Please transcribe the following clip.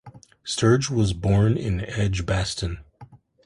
Sturge was born in Edgbaston.